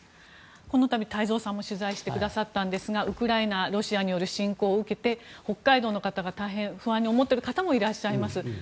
この度、太蔵さんも取材してくださったんですがウクライナロシアによる侵攻を受けて北海道の方が大変不安に思っている方もいらっしゃいます。